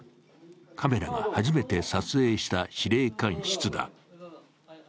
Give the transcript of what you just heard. カメラが初めて撮影した司令官室だ。